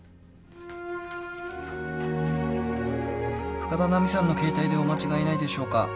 深田奈美さんの携帯でお間違えないでしょうか？